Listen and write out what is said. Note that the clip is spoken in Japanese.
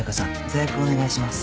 座薬お願いします。